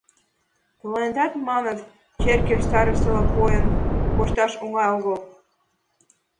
Тыланетат, маныт, черке старостыла койын кошташ оҥай огыл.